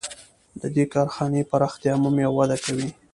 د دې کارخانې پراختیا مومي او وده کوي